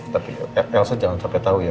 tapi elsa jangan sampai tau ya